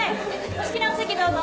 お好きなお席どうぞ。